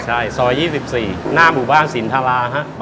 ใช่ซอย๒๔หน้าหมู่บ้านสินทราฮะ